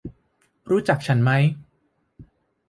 รู้จักฉันไหม ?